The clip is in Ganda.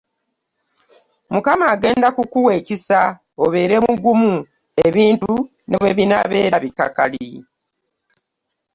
Mukama agenda kukuwa ekisa obeere mugumu ebintu ne bwe binaabeera bikakali.